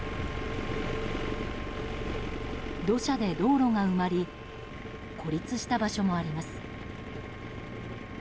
土砂で道路が埋まり孤立した場所もあります。